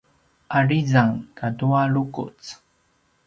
’arizang katua lukuc